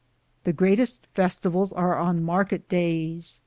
The greatest festivals are on market days.